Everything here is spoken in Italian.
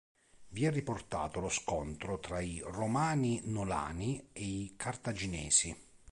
Vi è riportato lo scontro tra i Romani-Nolani e i Cartaginesi.